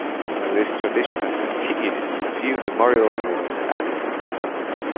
This tradition has continued with a few memorial awards added.